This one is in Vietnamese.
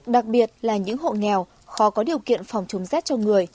đặc biệt là những hộ nghèo khó có điều kiện phòng chống rét cho người